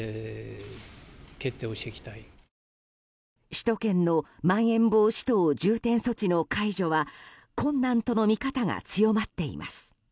首都圏のまん延防止等重点措置の解除は困難との見方が強まっています。